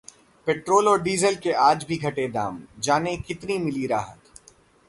Petrol और diesel के आज भी घटे दाम, जानें- कितनी मिली राहत?